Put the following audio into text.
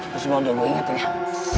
lo semua udah gue ingat ya